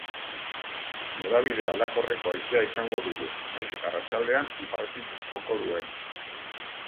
Norabide aldakorreko haizea izango dugu, nahiz eta arratsaldean iparretik joko duen.